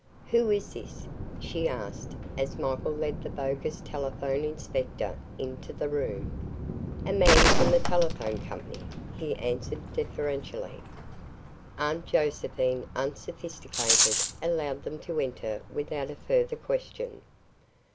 "Who is this?" she asked, as Michael led the bogus telephone inspector into the room. "A man from the telephone company," he answered deferentially. Aunt Josephine, unsophisticated, allowed them to enter without a further question.